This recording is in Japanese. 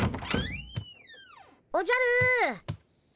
おじゃる。